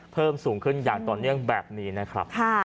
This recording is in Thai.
เพิ่มสูงขึ้นอย่างต่อเนื่องแบบนี้นะครับ